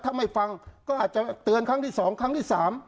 ถ้าไม่ฟังก็อาจจะเตือนครั้งที่๒ครั้งที่๓